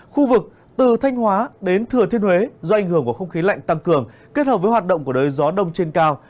khu vực từ thanh hóa đến thừa thiên huế do ảnh hưởng của không khí lạnh tăng cường kết hợp với hoạt động của đới gió đông trên cao